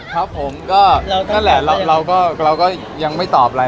ครับผมก็นั่นแหละเราก็ยังไม่ตอบอะไร